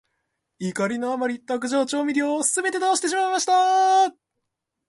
怒りのあまり、卓上調味料をすべて倒してしまいました。